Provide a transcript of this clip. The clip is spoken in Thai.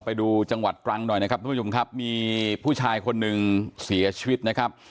ไปดูจังหวัดตรังหน่อยนะครับทุกผู้ชมครับมีผู้ชายคนหนึ่งเสียชีวิตนะครับ